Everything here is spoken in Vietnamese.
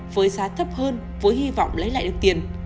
với giá thấp hơn với hy vọng lấy lại được tiền